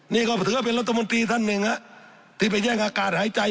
นี่ก็ถือว่าเป็นรัฐมนตรีท่านหนึ่งที่ไปแย่งอากาศหายใจ